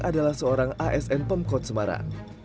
adalah seorang asn pemkot semarang